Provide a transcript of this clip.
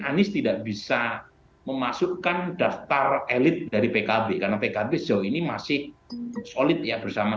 anies tidak bisa memasukkan daftar elit dari pkb karena pkb sejauh ini masih solid ya bersama